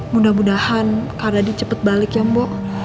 mudah mudahan kak radit cepat balik ya bu